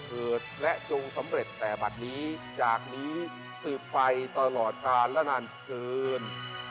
เกิดและจงสำเร็จแต่บัตรนี้จากนี้สืบไปตลอดการและนานเกิน